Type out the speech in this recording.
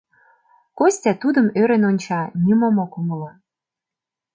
Костя тудым ӧрын онча, нимом ок умыло.